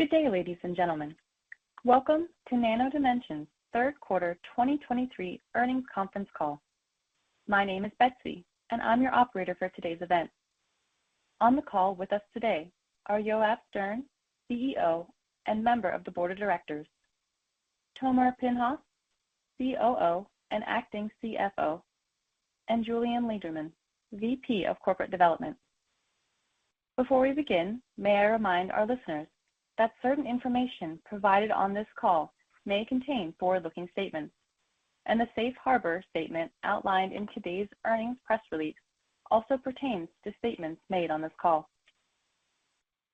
Good day, ladies and gentlemen. Welcome to Nano Dimension's third quarter 2023 earnings conference call. My name is Betsy, and I'm your operator for today's event. On the call with us today are Yoav Stern, CEO and member of the Board of Directors, Tomer Pinchas, COO and acting CFO, and Julien Lederman, VP of Corporate Development. Before we begin, may I remind our listeners that certain information provided on this call may contain forward-looking statements, and the safe harbor statement outlined in today's earnings press release also pertains to statements made on this call.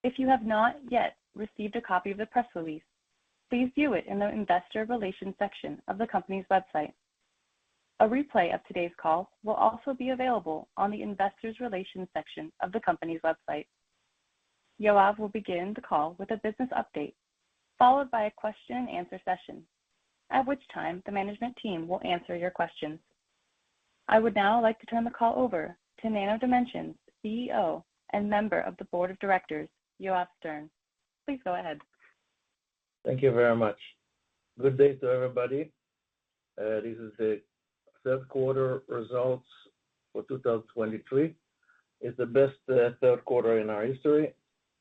If you have not yet received a copy of the press release, please view it in the investor relations section of the company's website. A replay of today's call will also be available on the investor relations section of the company's website. Yoav will begin the call with a business update, followed by a question and answer session, at which time the management team will answer your questions. I would now like to turn the call over to Nano Dimension's CEO and member of the Board of Directors, Yoav Stern. Please go ahead. Thank you very much. Good day to everybody. This is the third quarter results for 2023. It's the best third quarter in our history.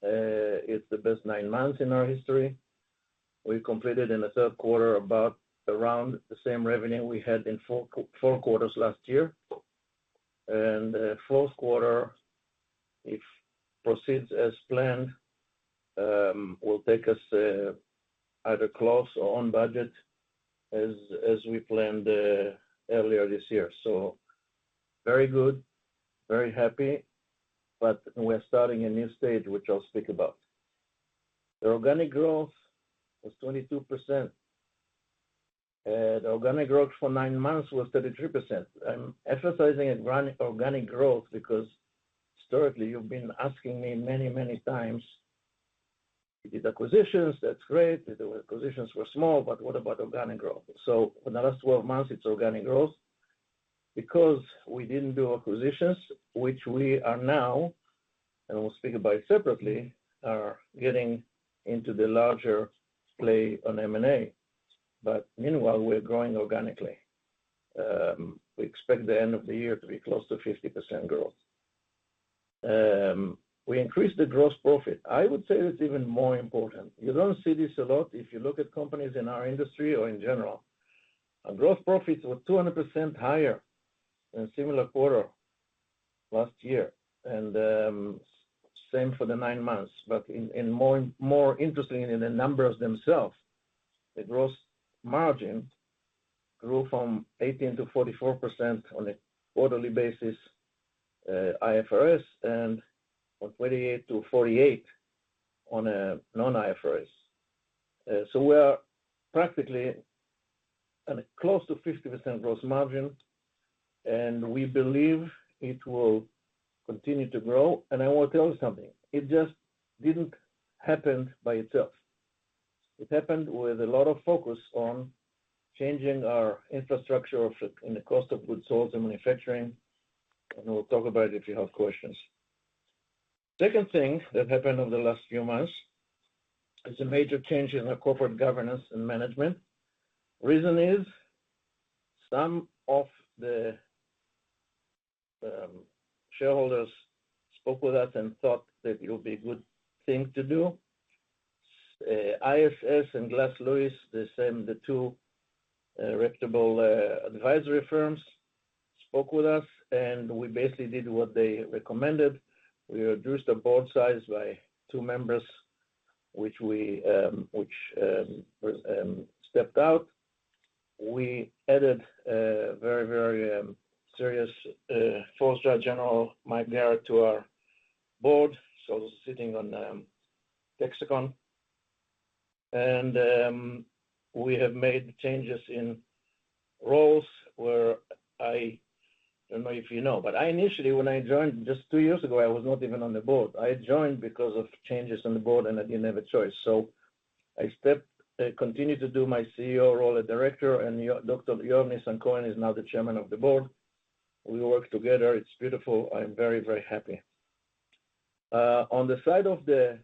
It's the best nine months in our history. We completed in the third quarter about around the same revenue we had in four quarters last year. And fourth quarter, if proceeds as planned, will take us either close or on budget as we planned earlier this year. So very good, very happy, but we're starting a new stage, which I'll speak about. The organic growth was 22%. The organic growth for nine months was 33%. I'm emphasizing organic growth because historically, you've been asking me many, many times, "These acquisitions, that's great. The acquisitions were small, but what about organic growth?" So in the last 12 months, it's organic growth because we didn't do acquisitions, which we are now, and we'll speak about it separately, are getting into the larger play on M&A. But meanwhile, we're growing organically. We expect the end of the year to be close to 50% growth. We increased the gross profit. I would say that's even more important. You don't see this a lot if you look at companies in our industry or in general. Our gross profits were 200% higher than similar quarter last year, and same for the nine months. But more interesting in the numbers themselves, the gross margin grew from 18% to 44% on a quarterly basis, IFRS, and from 28% to 48% on a non-IFRS. So we are practically at close to 50% gross margin, and we believe it will continue to grow, and I want to tell you something, it just didn't happen by itself. It happened with a lot of focus on changing our infrastructure of the, and the cost of goods sold and manufacturing, and we'll talk about it if you have questions. Second thing that happened over the last few months is a major change in the corporate governance and management. Reason is, some of the shareholders spoke with us and thought that it would be a good thing to do. ISS and Glass Lewis, they send the two reputable advisory firms, spoke with us, and we basically did what they recommended. We reduced the board size by two members, which stepped out. We added a very, very serious 4-star General Mike Garrett to our board, so sitting on Textron. We have made changes in roles where I don't know if you know, but I initially, when I joined just two years ago, I was not even on the board. I joined because of changes on the board and I didn't have a choice. So I stepped, continued to do my CEO role as director, and Dr. Yoav Nissan-Cohen is now the chairman of the board. We work together. It's beautiful. I'm very, very happy. On the side of the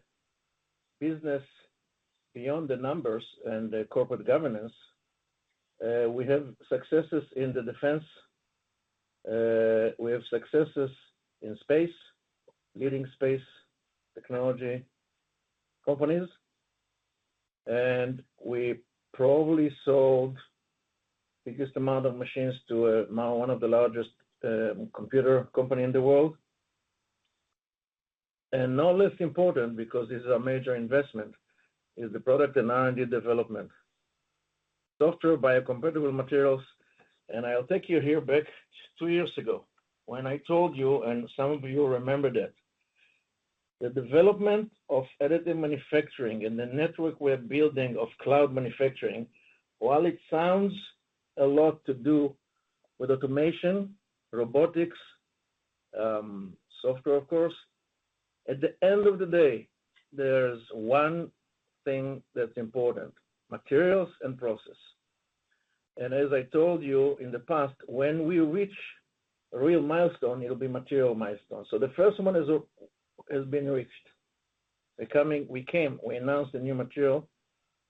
business, beyond the numbers and the corporate governance, we have successes in the defense, we have successes in space, leading space technology companies, and we probably sold the biggest amount of machines to, now one of the largest, computer company in the world. No less important, because this is a major investment, is the product and R&D development. Software, biocompatible materials, and I'll take you here back two years ago when I told you, and some of you remember that, the development of additive manufacturing and the network we're building of cloud manufacturing, while it sounds a lot to do with automation, robotics, software, of course, at the end of the day, there's one thing that's important: materials and process.... As I told you in the past, when we reach a real milestone, it'll be material milestone. So the first one is, has been reached. We came, we announced a new material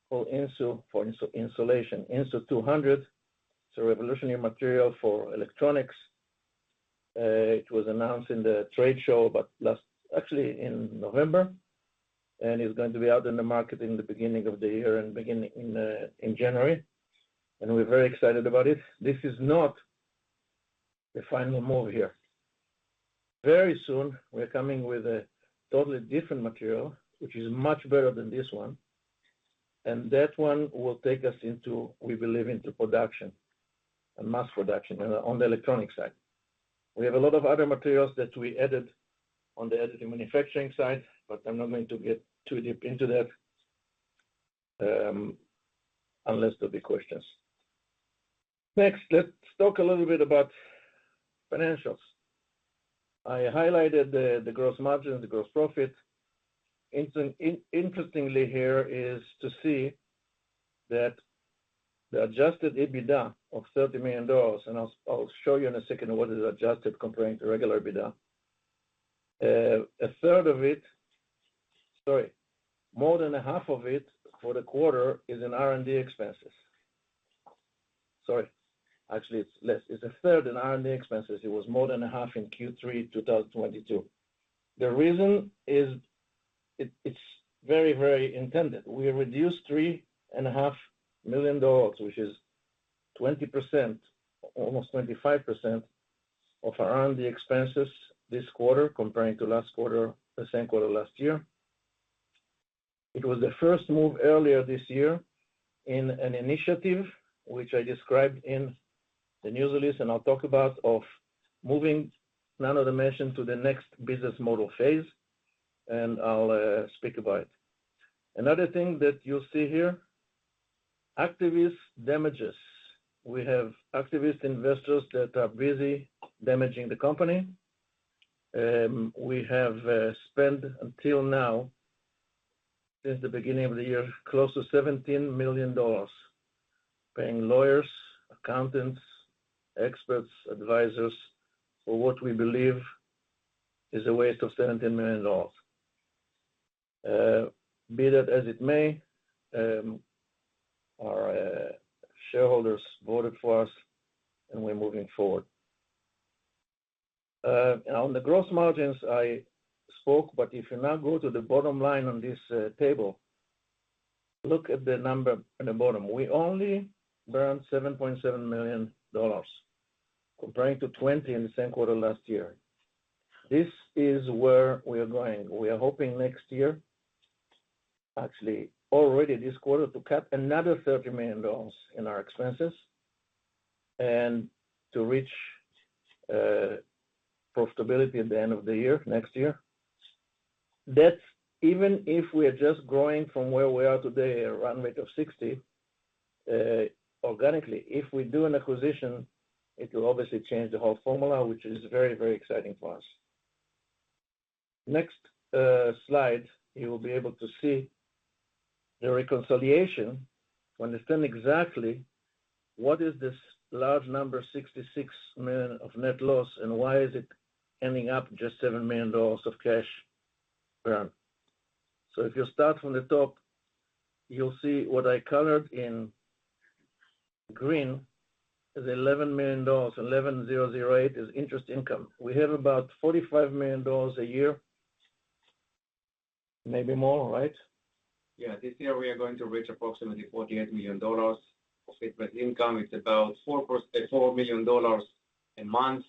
called Insu, for insulation, Insu 200. It's a revolutionary material for electronics. It was announced in the trade show, but last, actually in November, and it's going to be out in the market in the beginning of the year and beginning in, in January, and we're very excited about it. This is not the final move here. Very soon, we're coming with a totally different material, which is much better than this one, and that one will take us into, we believe, into production and mass production on the electronic side. We have a lot of other materials that we added on the additive manufacturing side, but I'm not going to get too deep into that, unless there'll be questions. Next, let's talk a little bit about financials. I highlighted the gross margin, the gross profit. Interestingly here is to see that the adjusted EBITDA of $30 million, and I'll show you in a second what is adjusted comparing to regular EBITDA. A third of it... Sorry, more than half of it for the quarter is in R&D expenses. Sorry, actually, it's less. It's a third in R&D expenses. It was more than half in Q3 2022. The reason is it, it's very, very intended. We reduced $3.5 million, which is 20%, almost 25% of our R&D expenses this quarter comparing to last quarter, the same quarter last year. It was the first move earlier this year in an initiative which I described in the news release, and I'll talk about, of moving Nano Dimension to the next business model phase, and I'll speak about it. Another thing that you'll see here, activist damages. We have activist investors that are busy damaging the company. We have spent until now, since the beginning of the year, close to $17 million, paying lawyers, accountants, experts, advisors, for what we believe is a waste of $17 million. Be that as it may, our shareholders voted for us, and we're moving forward. On the gross margins, I spoke, but if you now go to the bottom line on this table, look at the number at the bottom. We only burned $7.7 million, comparing to $20 million in the same quarter last year. This is where we are going. We are hoping next year, actually already this quarter, to cut another $30 million in our expenses and to reach profitability at the end of the year, next year. That's even if we are just growing from where we are today, a run rate of 60 organically. If we do an acquisition, it will obviously change the whole formula, which is very, very exciting for us. Next slide, you will be able to see the reconciliation to understand exactly what is this large number, $66 million of net loss, and why is it ending up just $7 million of cash burn. So if you start from the top, you'll see what I colored in green is $11 million. 11008 is interest income. We have about $45 million a year, maybe more, right? Yeah. This year we are going to reach approximately $48 million of interest income. It's about four million dollars a month.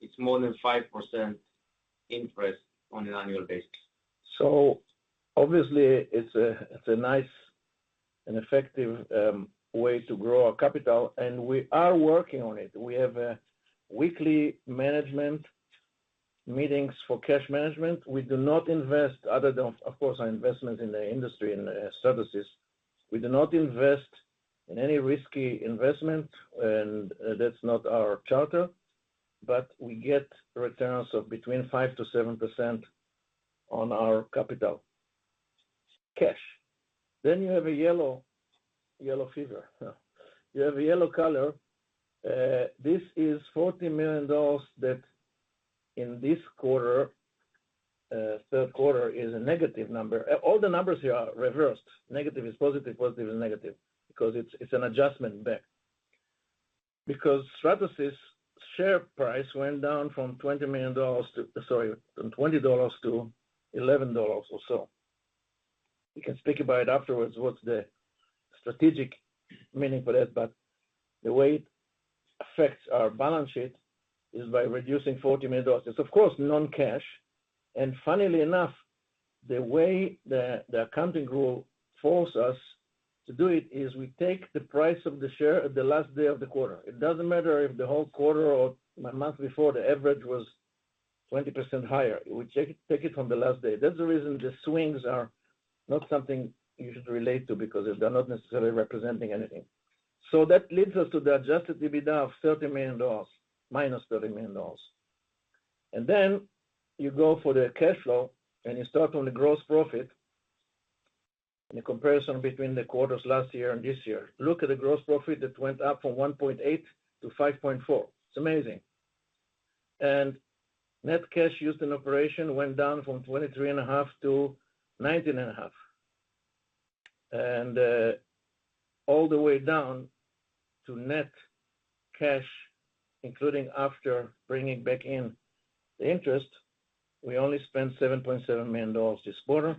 It's more than 5% interest on an annual basis. So obviously, it's a nice and effective way to grow our capital, and we are working on it. We have weekly management meetings for cash management. We do not invest other than, of course, our investment in the industry, in the services. We do not invest in any risky investment, and that's not our charter, but we get returns of between 5%-7% on our capital cash. Then you have a yellow, yellow fever. You have a yellow color. This is $40 million that in this quarter, third quarter, is a negative number. All the numbers here are reversed. Negative is positive, positive is negative, because it's an adjustment back. Because Stratasys share price went down from $20 million to, sorry, from $20 to $11 or so. We can speak about it afterwards, what's the strategic meaning for that, but the way it affects our balance sheet is by reducing $40 million. It's of course, non-cash, and funnily enough, the way the accounting rule force us to do it is we take the price of the share at the last day of the quarter. It doesn't matter if the whole quarter or a month before, the average was 20% higher. We take it, take it from the last day. That's the reason the swings are not something you should relate to, because they're not necessarily representing anything. So that leads us to the Adjusted EBITDA of $30 million, minus $30 million. And then you go for the cash flow, and you start on the gross profit. In a comparison between the quarters last year and this year, look at the gross profit that went up from $1.8 million to $5.4 million. It's amazing! And net cash used in operations went down from $23.5 million to $19.5 million. And all the way down to net cash, including after bringing back in the interest, we only spent $7.7 million this quarter,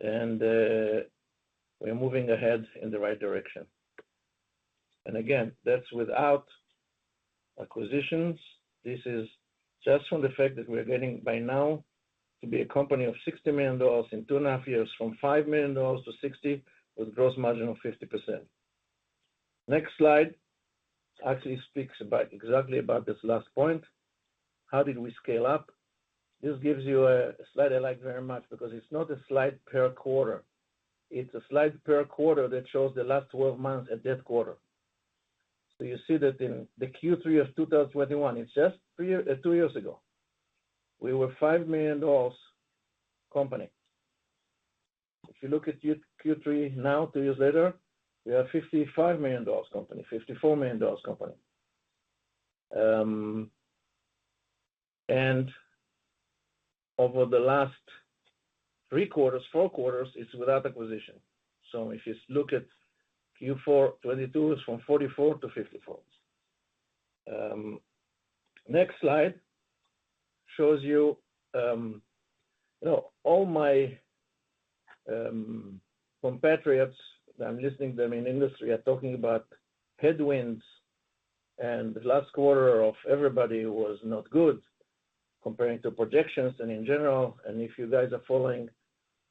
and we're moving ahead in the right direction. And again, that's without acquisitions. This is just from the fact that we're getting, by now, to be a company of $60 million in 2.5 years, from $5 million to $60 million, with gross margin of 50%. Next slide actually speaks about exactly about this last point. How did we scale up? This gives you a slide I like very much because it's not a slide per quarter. It's a slide per quarter that shows the last 12 months at that quarter. So you see that in the Q3 of 2021, it's just two years ago, we were a $5 million company. If you look at Q, Q3 now, two years later, we are a $55 million company, a $54 million company. And over the last three quarters, four quarters, it's without acquisition. So if you look at Q4 2022, it's from $44 million to $54 million. Next slide shows you, You know, all my compatriots, I'm listening to them in industry, are talking about headwinds, and the last quarter of everybody was not good comparing to projections and in general, and if you guys are following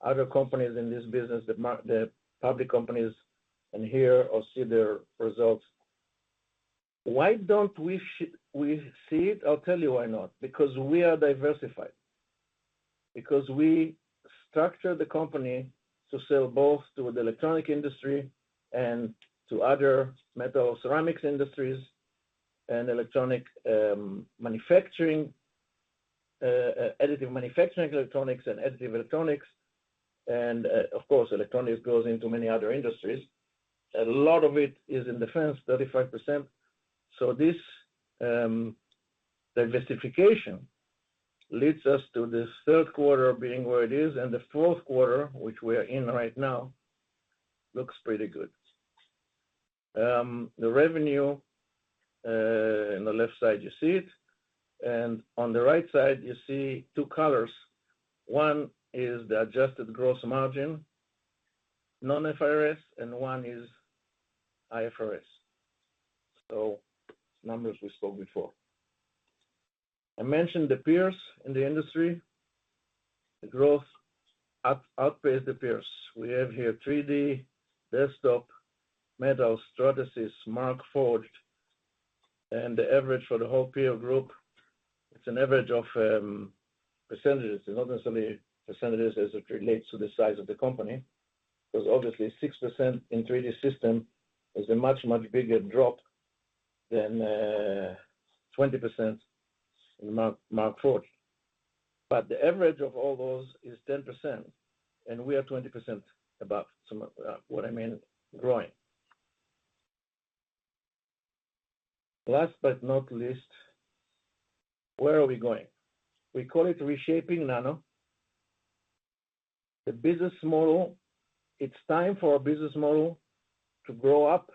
other companies in this business, the public companies, and hear or see their results, why don't we see it? I'll tell you why not. Because we are diversified. Because we structured the company to sell both to the electronic industry and to other metal ceramics industries and electronic manufacturing, additive manufacturing, electronics and additive electronics, and, of course, electronics goes into many other industries. A lot of it is in defense, 35%. So this diversification leads us to this third quarter being where it is, and the fourth quarter, which we are in right now, looks pretty good. The revenue in the left side, you see it, and on the right side, you see two colors. One is the adjusted gross margin, non-IFRS, and one is IFRS. So it's numbers we saw before. I mentioned the peers in the industry. The growth outpaced the peers. We have here 3D, Desktop Metal, Stratasys, Markforged, and the average for the whole peer group, it's an average of percentages. It's not necessarily percentages as it relates to the size of the company, because obviously, 6% in 3D Systems is a much, much bigger drop than 20% in Markforged. But the average of all those is 10%, and we are 20% above some of what I mean, growing. Last but not least, where are we going? We call it reshaping Nano. The business model, it's time for our business model to grow up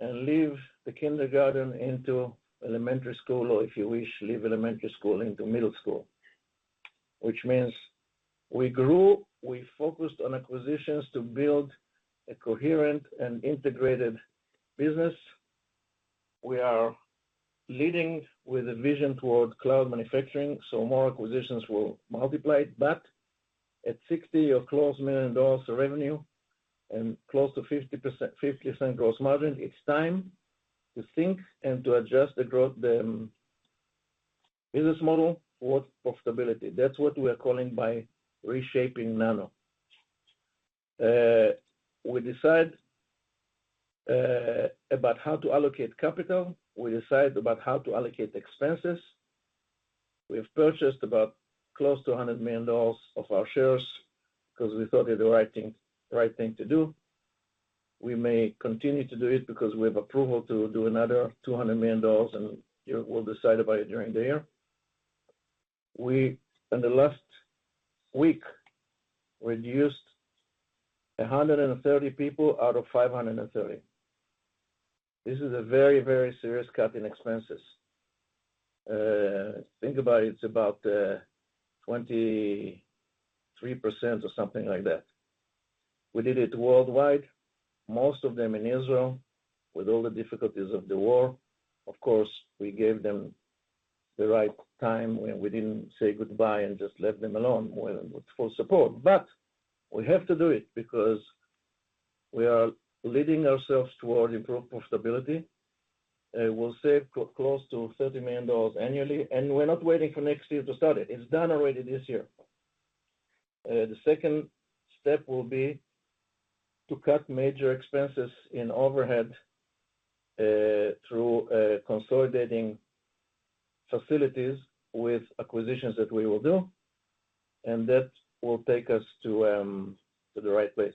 and leave the kindergarten into elementary school, or if you wish, leave elementary school into middle school, which means we grew, we focused on acquisitions to build a coherent and integrated business. We are leading with a vision toward cloud manufacturing, so more acquisitions will multiply. But at $60 million or close of revenue and close to 50%, 50% gross margin, it's time to think and to adjust the growth, the business model towards profitability. That's what we are calling by reshaping Nano. We decide about how to allocate capital. We decide about how to allocate expenses. We have purchased about close to $100 million of our shares because we thought it the right thing, the right thing to do. We may continue to do it because we have approval to do another $200 million, and we'll decide about it during the year. We, in the last week, reduced 130 people out of 530. This is a very, very serious cut in expenses. Think about it, it's about 23% or something like that. We did it worldwide, most of them in Israel, with all the difficulties of the war. Of course, we gave them the right time, we, we didn't say goodbye and just left them alone with full support. But we have to do it because we are leading ourselves toward improved profitability. We'll save close to $30 million annually, and we're not waiting for next year to start it. It's done already this year. The second step will be to cut major expenses in overhead through consolidating facilities with acquisitions that we will do, and that will take us to the right place.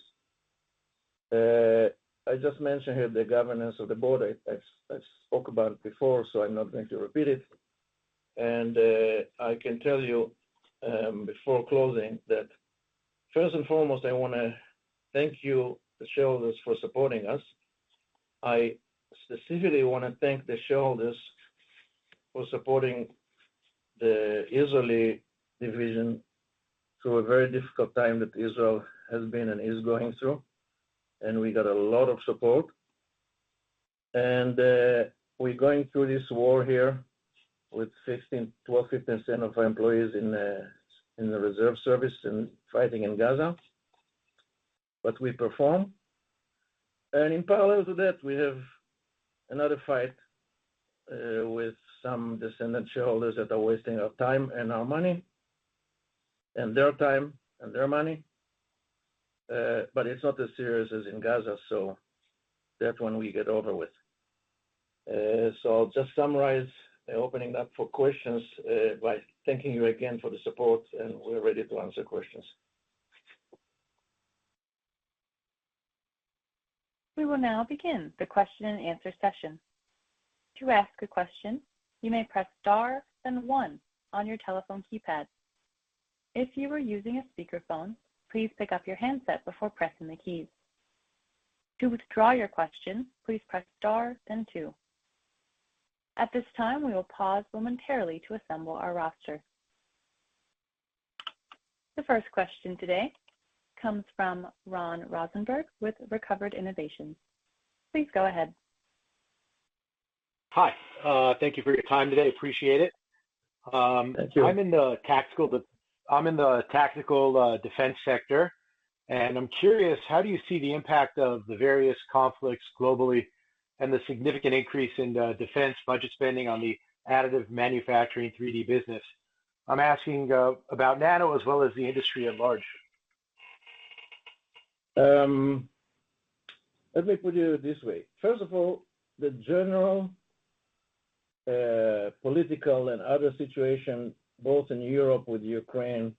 I just mentioned here the governance of the board. I spoke about it before, so I'm not going to repeat it. I can tell you, before closing that first and foremost, I wanna thank you, the shareholders, for supporting us. I specifically wanna thank the shareholders for supporting the Israeli division through a very difficult time that Israel has been and is going through, and we got a lot of support. We're going through this war here with 12%-15% of our employees in the reserve service and fighting in Gaza. But we perform, and in parallel to that, we have another fight with some dissident shareholders that are wasting our time and our money, and their time and their money. But it's not as serious as in Gaza, so that one we get over with. So I'll just summarize, opening up for questions, by thanking you again for the support, and we're ready to answer questions. We will now begin the question and answer session. To ask a question, you may press star, then one on your telephone keypad. If you are using a speakerphone, please pick up your handset before pressing the keys. To withdraw your question, please press star then two. At this time, we will pause momentarily to assemble our roster. The first question today comes from Ron Rosenberg with Recovered Innovation. Please go ahead. Hi. Thank you for your time today. Appreciate it. Thank you. I'm in the tactical defense sector, and I'm curious, how do you see the impact of the various conflicts globally and the significant increase in the defense budget spending on the additive manufacturing, 3D business? I'm asking about Nano as well as the industry at large. Let me put it this way. First of all, the general political and other situation, both in Europe with Ukraine,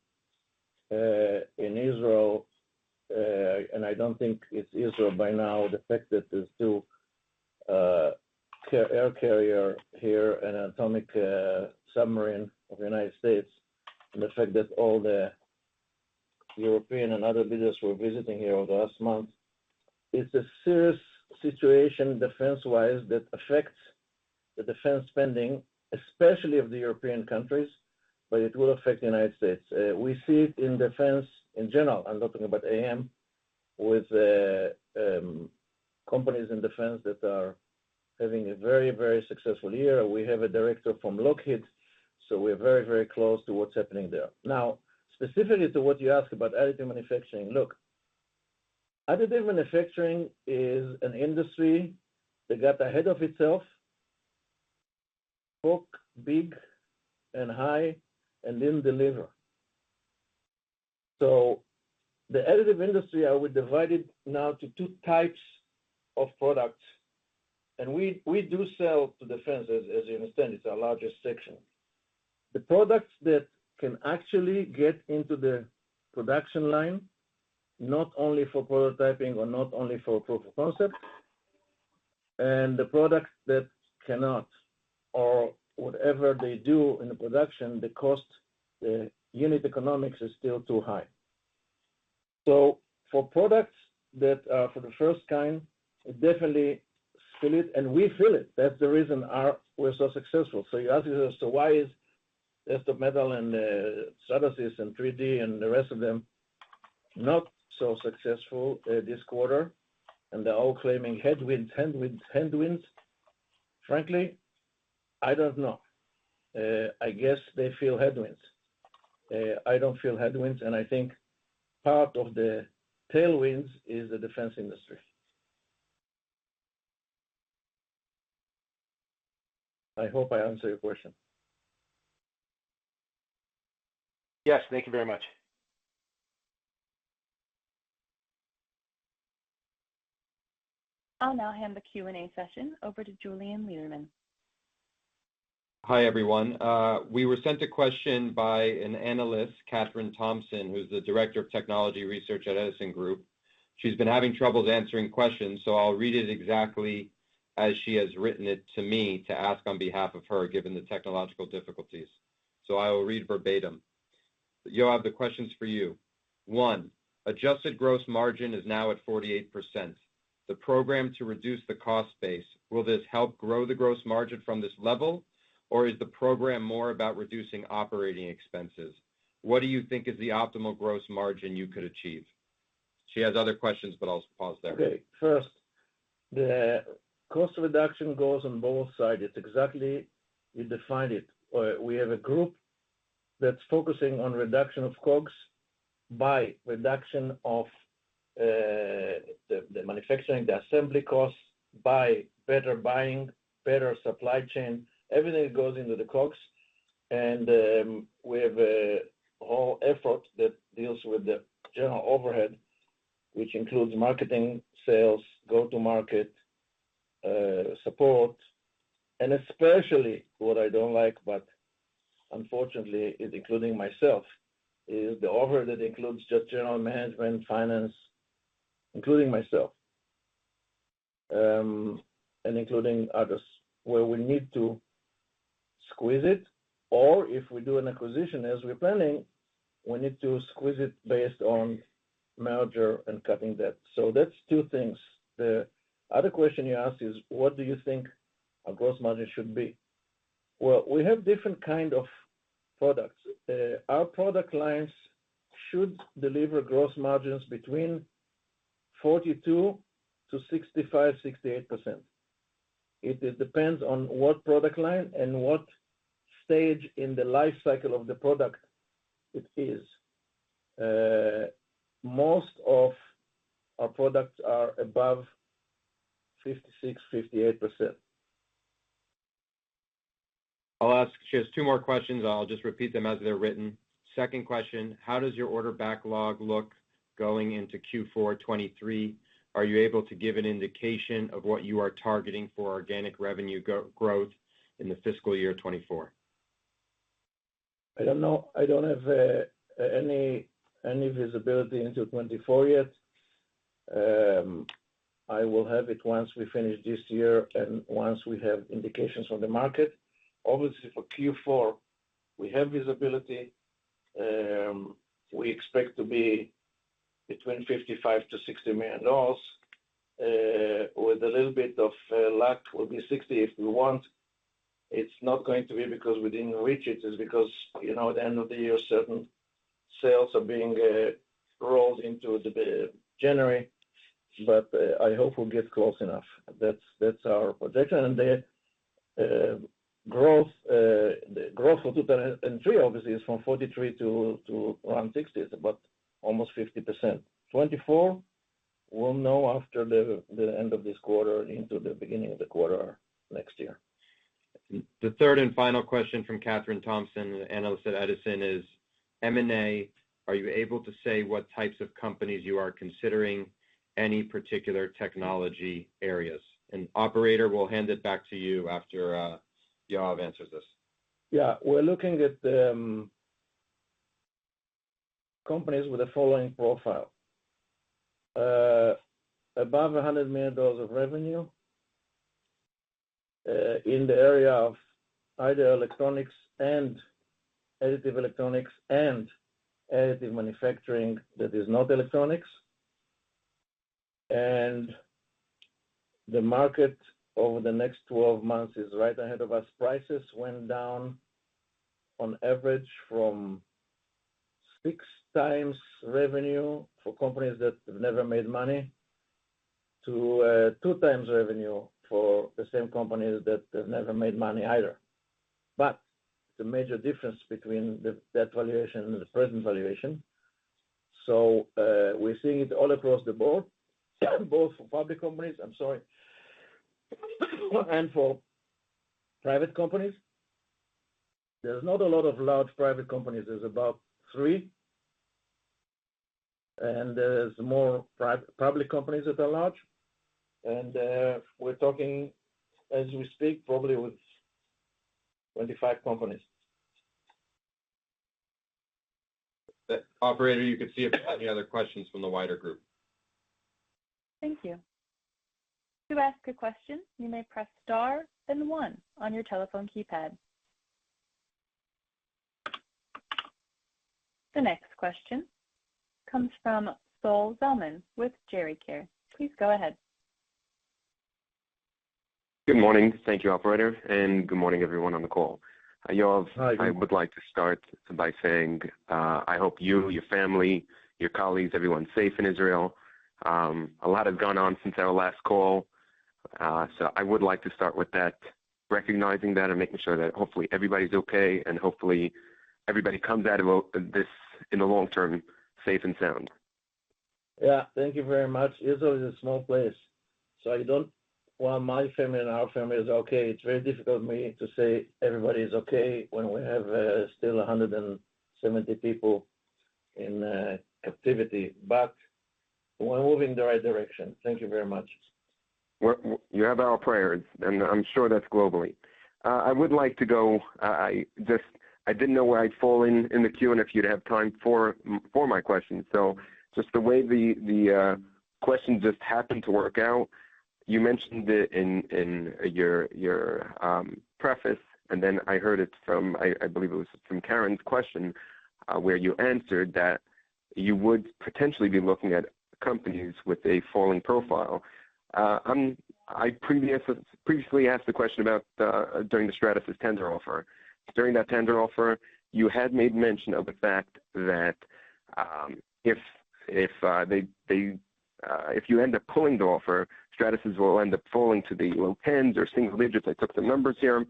in Israel, and I don't think it's Israel by now, the fact that there's still aircraft carrier here and atomic submarine of the United States, and the fact that all the European and other visitors were visiting here over the last month, it's a serious situation, defense-wise, that affects the defense spending, especially of the European countries, but it will affect the United States. We see it in defense in general. I'm not talking about AM, with companies in defense that are having a very, very successful year. We have a director from Lockheed, so we're very, very close to what's happening there. Now, specifically to what you ask about additive manufacturing, look, additive manufacturing is an industry that got ahead of itself, spoke big and high, and didn't deliver. So the additive industry, I would divide it now to two types of products, and we do sell to defense, as you understand, it's our largest section. The products that can actually get into the production line, not only for prototyping or not only for proof of concept, and the products that cannot, or whatever they do in the production, the cost, the unit economics is still too high. So for products that are for the first kind, it definitely fill it, and we fill it. That's the reason we're so successful. So you ask us, so why is Desktop Metal and Stratasys and 3D and the rest of them not so successful this quarter? They're all claiming headwinds, headwinds, headwinds. Frankly, I don't know. I guess they feel headwinds. I don't feel headwinds, and I think part of the tailwinds is the defense industry. I hope I answered your question. Yes, thank you very much. I'll now hand the Q&A session over to Julien Lederman. Hi, everyone. We were sent a question by an Analyst, Katherine Thompson, who's the Director of Technology Research at Edison Group. She's been having trouble answering questions, so I'll read it exactly as she has written it to me to ask on behalf of her, given the technological difficulties. So I will read verbatim. Yoav, the question's for you. One, adjusted gross margin is now at 48%. The program to reduce the cost base, will this help grow the gross margin from this level, or is the program more about reducing operating expenses? What do you think is the optimal gross margin you could achieve? She has other questions, but I'll pause there. Okay. First, the cost reduction goes on both sides. It's exactly, you defined it. We have a group that's focusing on reduction of COGS by reduction of the manufacturing, the assembly costs, by better buying, better supply chain. Everything goes into the COGS, and we have a whole effort that deals with the general overhead, which includes marketing, sales, go-to-market, support, and especially what I don't like, but unfortunately, it including myself, is the overhead that includes just general management, finance, including myself, and including others, where we need to squeeze it, or if we do an acquisition as we're planning, we need to squeeze it based on merger and cutting debt. So that's two things. The other question you asked is, what do you think our gross margin should be? Well, we have different kind of products. Our product lines should deliver gross margins between 42%-65%, 68%. It, it depends on what product line and what stage in the life cycle of the product it is. Most of our products are above 56%-58%. I'll ask just two more questions, and I'll just repeat them as they're written. Second question: How does your order backlog look going into Q4 2023? Are you able to give an indication of what you are targeting for organic revenue go, growth in the fiscal year 2024? I don't know. I don't have any visibility into 2024 yet. I will have it once we finish this year and once we have indications from the market. Obviously, for Q4, we have visibility. We expect to be between $55-$60 million, with a little bit of luck, we'll be 60 if we want. It's not going to be because we didn't reach it, it's because, you know, at the end of the year, certain sales are being rolled into the January, but I hope we'll get close enough. That's our projection. And the growth for 2023, obviously, is from 43 to around 60. It's about almost 50%. 2024, we'll know after the end of this quarter into the beginning of the quarter next year. The third and final question from Katherine Thompson, an analyst at Edison, is M&A, are you able to say what types of companies you are considering, any particular technology areas? And Operator, we'll hand it back to you after, Yoav answers this. Yeah. We're looking at companies with the following profile: above $100 million of revenue in the area of either electronics and additive electronics and additive manufacturing that is not electronics, and the market over the next 12 months is right ahead of us. Prices went down on average from 6x revenue for companies that have never made money, to 2x revenue for the same companies that have never made money either. But the major difference between that valuation and the present valuation, so we're seeing it all across the board, both for public companies, I'm sorry, and for private companies. There's not a lot of large private companies. There's about three, and there's more public companies that are large. We're talking, as we speak, probably with 25 companies. Operator, you can see if there are any other questions from the wider group. Thank you. To ask a question, you may press star, then one on your telephone keypad. The next question comes from Sol Zelman with Gericare. Please go ahead. Good morning. Thank you, operator, and good morning everyone on the call. Yoav, Hi. I would like to start by saying, I hope you, your family, your colleagues, everyone's safe in Israel. A lot has gone on since our last call, so I would like to start with that, recognizing that and making sure that hopefully everybody's okay and hopefully everybody comes out of this in the long term, safe and sound. Yeah. Thank you very much. Israel is a small place, so I don't... While my family and our family is okay, it's very difficult for me to say everybody is okay when we have still 170 people in captivity, but we're moving in the right direction. Thank you very much. Well, you have our prayers, and I'm sure that's globally. I would like to go. I just—I didn't know where I'd fall in the queue and if you'd have time for my question. So just the way the question just happened to work out, you mentioned it in your preface, and then I heard it from, I believe it was from Karen's question, where you answered that you would potentially be looking at companies with a falling profile. I previously asked a question about during the Stratasys tender offer. During that tender offer, you had made mention of the fact that, if they, if you end up pulling the offer, Stratasys will end up falling to the low tens or single digits. I took the numbers here.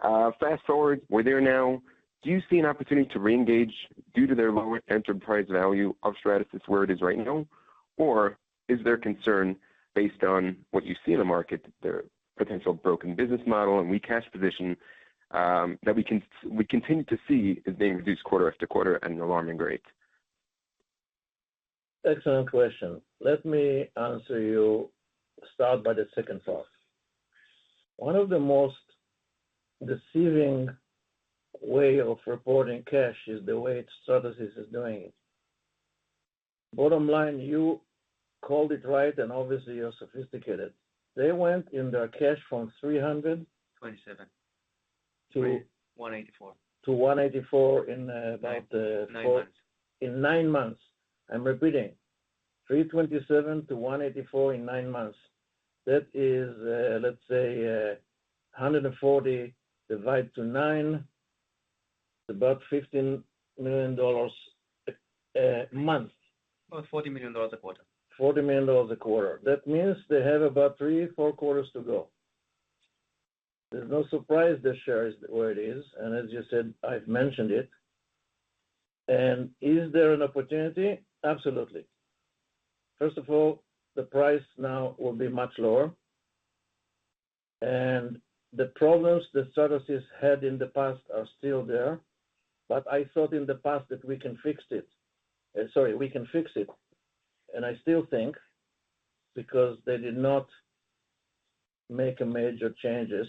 Fast forward, we're there now. Do you see an opportunity to reengage due to their lower enterprise value of Stratasys, where it is right now? Or... Is there concern based on what you see in the market, their potential broken business model and weak cash position, that we can, we continue to see as they reduce quarter after quarter at an alarming rate? Excellent question. Let me answer you. Start by the second thought. One of the most deceiving way of reporting cash is the way Stratasys is doing it. Bottom line, you called it right, and obviously, you're sophisticated. They went in their cash from 300- 27. To, 184. To 184 in about, Nine months. In nine months. I'm repeating, 327-184 in nine months. That is, let's say, 140 divided by 9, about $15 million a month. About $40 million a quarter. $40 million a quarter. That means they have about three, four quarters to go. There's no surprise the share is where it is, and as you said, I've mentioned it. Is there an opportunity? Absolutely. First of all, the price now will be much lower, and the problems that Stratasys had in the past are still there, but I thought in the past that we can fix it. Sorry, we can fix it, and I still think because they did not make a major changes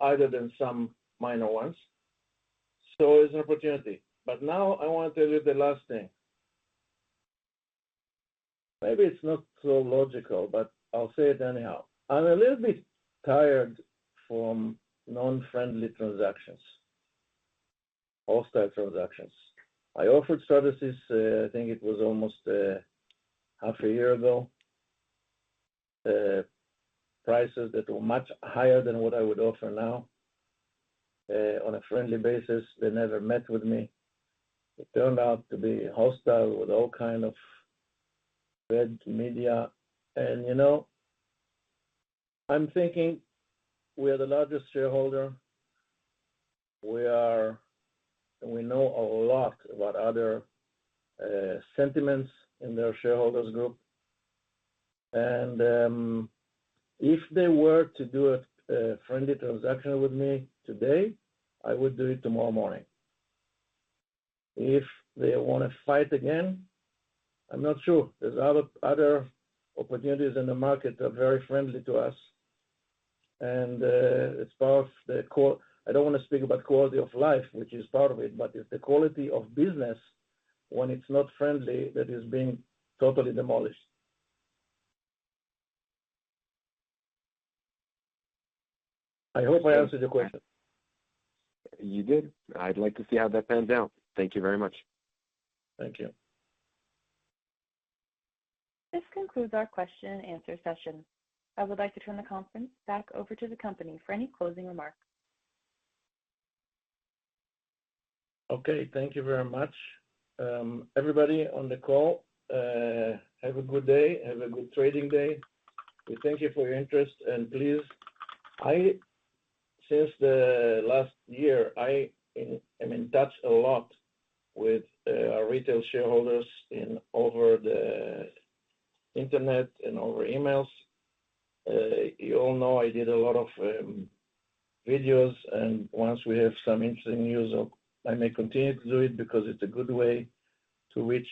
other than some minor ones, so it's an opportunity. But now I want to tell you the last thing. Maybe it's not so logical, but I'll say it anyhow. I'm a little bit tired from non-friendly transactions, hostile transactions. I offered Stratasys, I think it was almost half a year ago, prices that were much higher than what I would offer now, on a friendly basis. They never met with me. It turned out to be hostile with all kind of bad media. And, you know, I'm thinking we are the largest shareholder. We know a lot about other sentiments in their shareholders group, and if they were to do a friendly transaction with me today, I would do it tomorrow morning. If they want to fight again, I'm not sure. There's other opportunities in the market are very friendly to us, and it's part of the—I don't want to speak about quality of life, which is part of it, but it's the quality of business when it's not friendly, that is being totally demolished. I hope I answered your question. You did. I'd like to see how that pans out. Thank you very much. Thank you. This concludes our question and answer session. I would like to turn the conference back over to the company for any closing remarks. Okay, thank you very much. Everybody on the call, have a good day. Have a good trading day. We thank you for your interest, and please, since the last year, I'm in touch a lot with our retail shareholders in over the internet and over emails. You all know I did a lot of videos, and once we have some interesting news, I may continue to do it because it's a good way to reach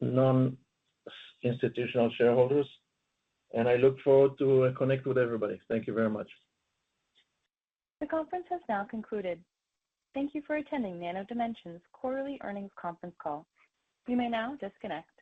non-institutional shareholders, and I look forward to connect with everybody. Thank you very much. The conference has now concluded. Thank you for attending Nano Dimension's quarterly earnings conference call. You may now disconnect.